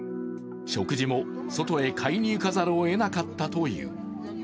食事も外へ買いに行かざるをえなかったという。